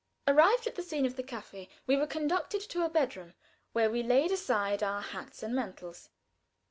Arrived at the scene of the kaffee, we were conducted to a bedroom where we laid aside our hats and mantles.